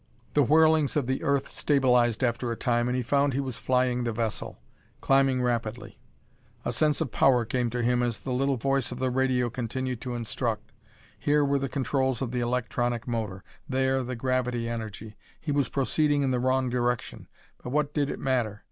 The whirlings of the earth stabilized after a time and he found he was flying the vessel; climbing rapidly. A sense of power came to him as the little voice of the radio continued to instruct. Here were the controls of the electronic motor; there the gravity energy. He was proceeding in the wrong direction. But what did it matter?